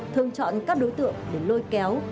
thường chọn các đối tượng để lôi kéo